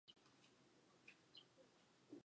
且无其他部首可用者将部首归为齐部。